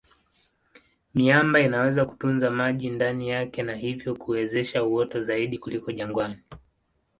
Miamba inaweza kutunza maji ndani yake na hivyo kuwezesha uoto zaidi kuliko jangwani.